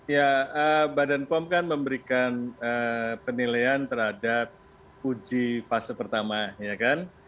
ya badan pom kan memberikan penilaian terhadap uji fase pertama ya kan